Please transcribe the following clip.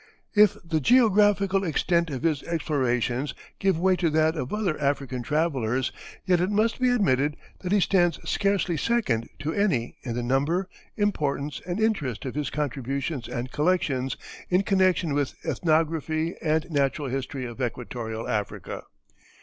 If the geographical extent of his explorations give way to that of other African travellers, yet it must be admitted that he stands scarcely second to any in the number, importance, and interest of his contributions and collections in connection with ethnography and natural history of Equatorial Africa.